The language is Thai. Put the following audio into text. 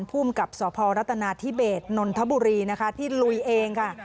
ภูมิกับสพรัฐนาธิเบสนนทบุรีนะคะที่ลุยเองค่ะ